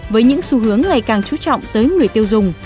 với những xu hướng ngày càng trú trọng tới người tiêu dùng